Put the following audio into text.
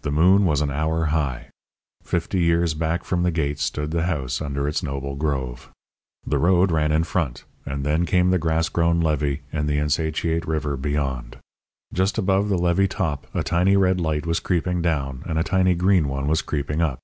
The moon was an hour high. Fifty years back from the gate stood the house, under its noble grove. The road ran in front, and then came the grass grown levee and the insatiate river beyond. Just above the levee top a tiny red light was creeping down and a tiny green one was creeping up.